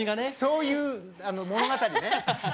そういう物語。